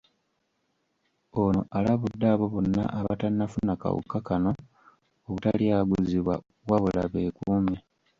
Ono alabudde abo bonna abatannafuna kawuka kano obutalyaguzibwa wabula beekuume.